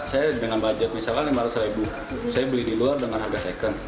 saya dengan budget misalnya lima ratus ribu saya beli di luar dengan harga second